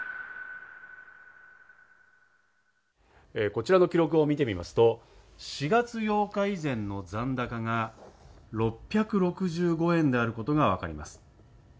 こちらの記録を見てみますと、４月８日以前の残高が６６５円であることがわかります。